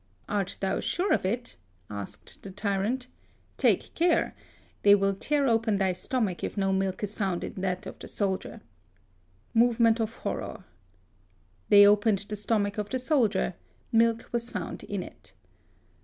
" Art thou sure of it 1 " asked the tyrant. *' Take care ! they will tear open thy stomach if no milk is found in that of the soldier." (Movement of horror.) They opened the stomach of the soldier. Milk was found in it.